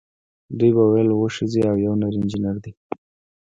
دوی به ویل اوه ښځې او یو نر انجینر دی.